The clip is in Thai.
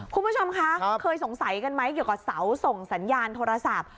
คุณผู้ชมคะเคยสงสัยกันไหมเกี่ยวกับเสาส่งสัญญาณโทรศัพท์